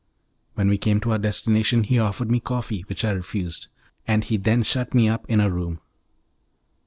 When we came to our destination he offered me coffee, which I refused; and he then shut me up in a room.